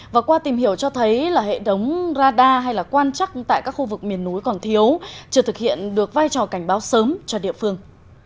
và qua tìm hiểu cho thấy là hệ thống radar hay là quan trắc tại các khu vực miền núi còn thiếu chưa thực hiện được vai trò cảnh báo sớm cho địa phương